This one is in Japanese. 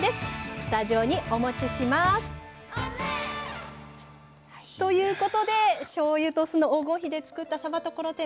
スタジオにお持ちします！ということでしょうゆと酢の黄金比で作った「さばところてん」